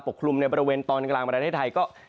ปกครุมในบริเวณตอนกลางบริเวณไทยก็